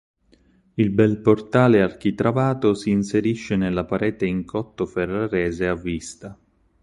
Il bel portale architravato si inserisce nella parete in cotto ferrarese a vista.